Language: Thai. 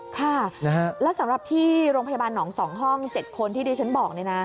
ค่ะและสำหรับที่โรงพยาบาลหนองสองห้อง๗คนที่ดีฉันบอก